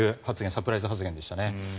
サプライズ発言でしたね。